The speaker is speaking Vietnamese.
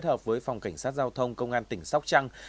thợp với phòng cảnh sát giao thông công an tỉnh sóc trăng